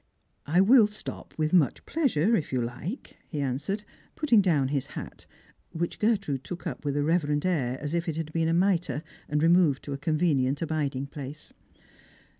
" I will stop with much pleasure, if you like, ' he answered, putting down his hat, which Gertrude took up with a reverent air, as if it had been a mitre, and removed to a convenient abiding place.